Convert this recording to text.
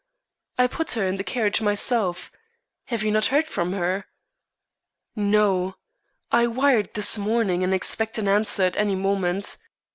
"I put her in the carriage myself. Have you not heard from her?" "No. I wired this morning, and expect an answer at any moment.